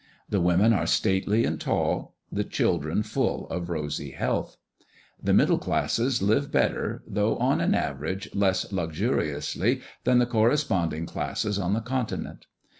The women are stately and tall; the children full of rosy health. The middle classes live better, though on an average less luxuriously than the corresponding classes on the continent.